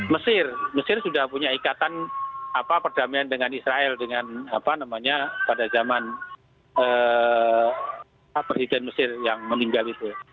mesir mesir sudah punya ikatan perdamaian dengan israel dengan apa namanya pada zaman presiden mesir yang meninggal itu